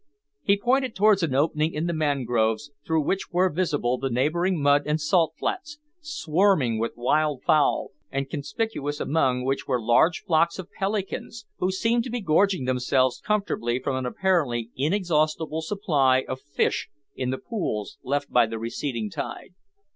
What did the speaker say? He pointed towards an opening in the mangroves, through which were visible the neighbouring mud and sand flats, swarming with wild fowl, and conspicuous among which were large flocks of pelicans, who seemed to be gorging themselves comfortably from an apparently inexhaustible supply of fish in the pools left by the receding tide.